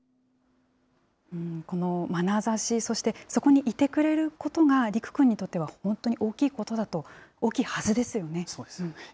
このまなざし、そしてそこにいてくれることが利久君にとっては本当に大きいことそうですよね。